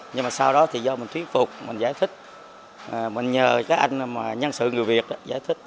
nhưng mà sau đó thì do mình thuyết phục mình giải thích mình nhờ các anh nhân sự người việt đó giải thích